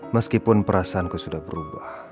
meskipun perasaanku sudah berubah